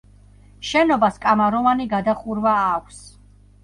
შენობას კამაროვანი გადახურვა აქვს.